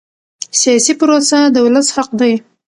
سیاسي پروسه د ولس حق دی